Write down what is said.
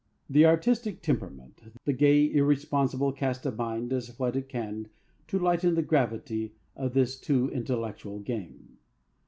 The artistic temperament, the gay irresponsible cast of mind, does what it can to lighten the gravity of this too intellectual game.